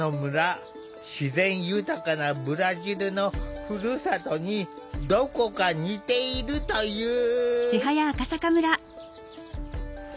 自然豊かなブラジルのふるさとにどこか似ているという。